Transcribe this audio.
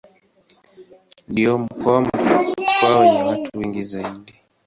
Ndio mkoa wenye watu wengi zaidi.